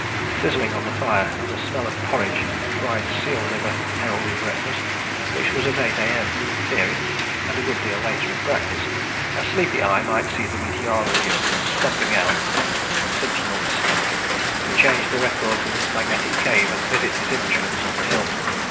A sizzling on the fire and a smell of porridge and fried seal liver heralded breakfast, which was at 8 A.M. in theory and a good deal later in practice. A sleepy eye might see the meteorologist stumping out (Simpson always stumped) to change the records in his magnetic cave and visit his instruments on the Hill.